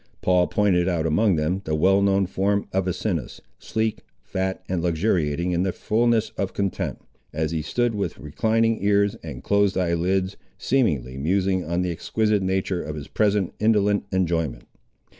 Paul pointed out among them, the well known form of Asinus, sleek, fat, and luxuriating in the fulness of content, as he stood with reclining ears and closed eye lids, seemingly musing on the exquisite nature of his present indolent enjoyment.